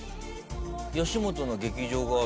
「吉本の劇場がある」